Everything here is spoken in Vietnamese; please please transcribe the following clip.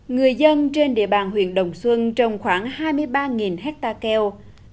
người dân trên địa bàn huyện đồng xuân trồng khoảng hai mươi ba hectare keo